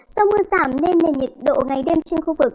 do mưa giảm nên nền nhiệt độ ngày đêm trên khu vực